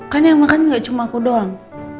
kan yang makan gak cuma aku doang